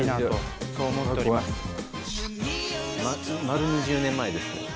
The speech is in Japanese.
丸２０年前です。